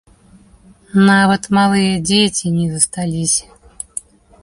Нават малыя дзеці не засталіся.